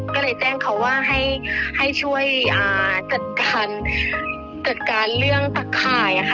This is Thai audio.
ก็เลยแจ้งเขาว่าให้ช่วยจัดการเรื่องตักข่ายอะค่ะ